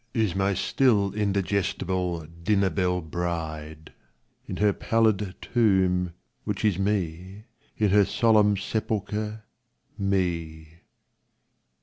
Is n^y still indigestible dinner belle bride, In her pallid tomb, which is Me, In her solemn sepulcher, Me.